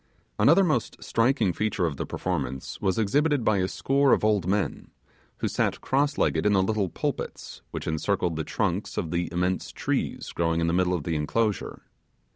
Another most striking feature of the performance was exhibited by a score of old men, who sat cross legged in the little pulpits, which encircled the trunks of the immense trees growing in the middle of the enclosure.